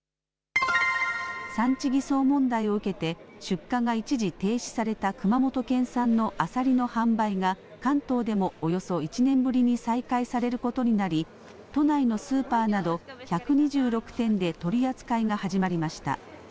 産地偽装問題を受けて出荷が一時停止された熊本県産のアサリの販売が関東でもおよそ１年ぶりに再開されることになり都内のスーパーなど１２６店で取り扱いが始まりました。